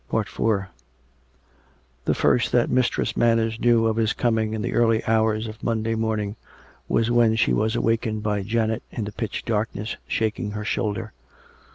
... IV The first that Mistress Manners knew of his coming in the early hours of Monday morning, was when she was awakened by Janet in the pitch darkness shaking her shoulder.